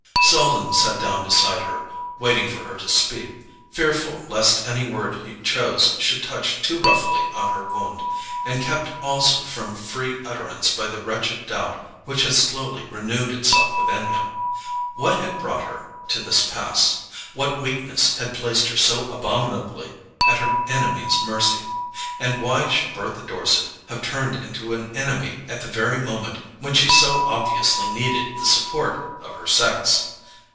Selden sat down beside her, waiting for her to speak, fearful lest any word he chose should touch too roughly on her wound, and kept also from free utterance by the wretched doubt which had slowly renewed itself within him. What had brought her to this pass? What weakness had placed her so abominably at her enemy's mercy? And why should Bertha Dorset have turned into an enemy at the very moment when she so obviously needed the support of her sex?